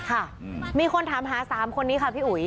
ค่ะมีคนถามหา๓คนนี้ค่ะพี่อุ๋ย